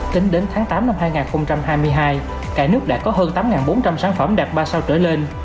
tính đến tháng tám năm hai nghìn hai mươi hai cả nước đã có hơn tám bốn trăm linh sản phẩm đạt ba sao trở lên